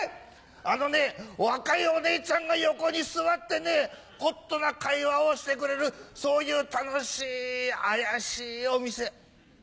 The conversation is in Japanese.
あのね若いお姉ちゃんが横に座ってねホットな会話をしてくれるそういう楽しい妖しいお店。